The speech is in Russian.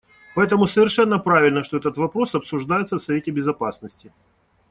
Поэтому совершенно правильно, что этот вопрос обсуждается в Совете Безопасности.